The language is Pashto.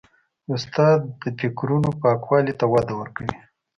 استاد د فکرونو پاکوالي ته وده ورکوي.